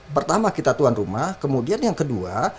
pertama kita tuan rumah kemudian yang kedua